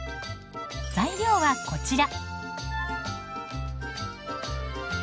材料はこちら。